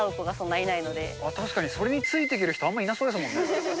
確かに、それについてける人、あんまりいなそうですもんね。